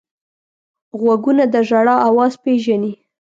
غوږونه د ژړا اواز پېژني